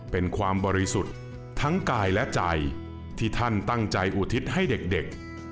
เป็นความบริสุทธิ์ทั้งกายและใจที่ท่านตั้งใจอุทิศให้เด็ก